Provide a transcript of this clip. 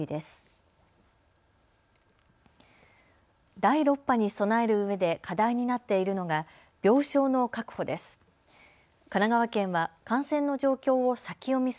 第６波に備えるうえで課題になっているのが病床の確保です。